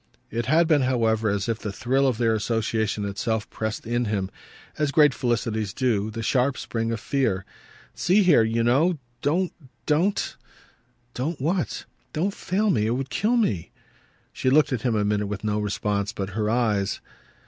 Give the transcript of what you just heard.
It had been, however, as if the thrill of their association itself pressed in him, as great felicities do, the sharp spring of fear. "See here, you know: don't, DON'T !" "Don't what?" "Don't fail me. It would kill me." She looked at him a minute with no response but her eyes.